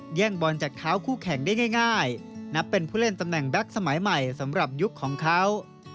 แย่งบอลจากเท้าคู่แข่งได้ง่ายนับเป็นผู้เล่นตำแหน่งแก๊กสมัยใหม่สำหรับยุคของเขา